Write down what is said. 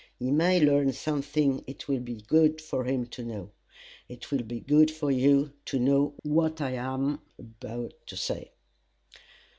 He may learn something it will be good for him to know. It will be good for you to know what I am about to say.